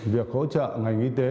việc hỗ trợ ngành y tế